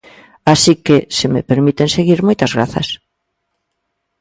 Así que, se me permiten seguir, moitas grazas.